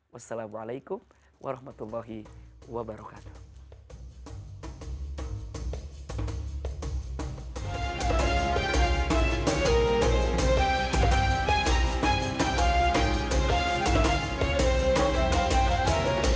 wassalamualaikum warahmatullahi wabarakatuh